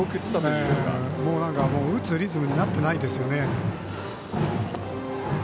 打つリズムになってないですよね。